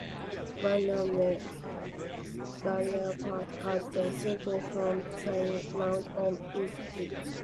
One of the barrel parts has the simple front sight mounted on to it.